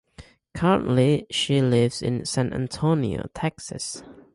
Currently she lives in San Antonio, Texas.